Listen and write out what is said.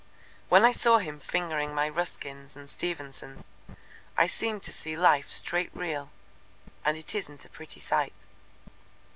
When I saw him fingering my Ruskins and Stevensons, I seemed to see life straight real, and it isn't a pretty sight.